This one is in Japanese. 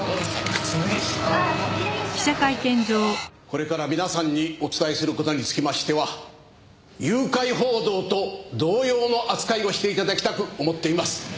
これから皆さんにお伝えする事につきましては誘拐報道と同様の扱いをして頂きたく思っています。